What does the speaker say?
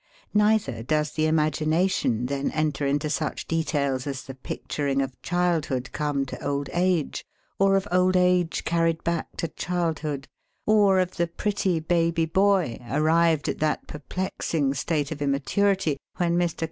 Neither does the imagination then enter into such details as the picturing of childhood come to old age, or of old age carried back to childhood, or of the pretty baby boy arrived at that perplexiug state of Immaturity when MR.